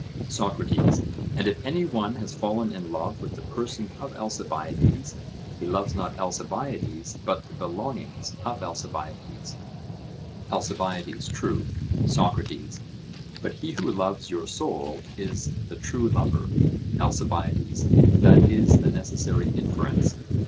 SOCRATES: And if any one has fallen in love with the person of Alcibiades, he loves not Alcibiades, but the belongings of Alcibiades? ALCIBIADES: True. SOCRATES: But he who loves your soul is the true lover? ALCIBIADES: That is the necessary inference.